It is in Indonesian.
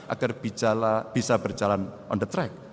agar bisa berjalan on the track